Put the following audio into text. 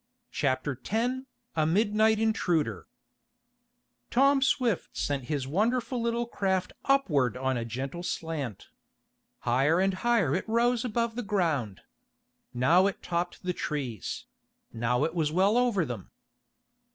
Chapter Ten A Midnight Intruder Tom Swift sent his wonderful little craft upward on a gentle slant. Higher and higher it rose above the ground. Now it topped the trees; now it was well over them.